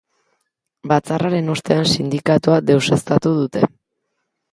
Batzarraren ostean sindikatua deuseztatu dute.